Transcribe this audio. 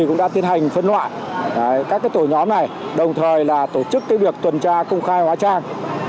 cũng đã tiến hành phân loại các tổ nhóm này đồng thời là tổ chức việc tuần tra công khai hóa trang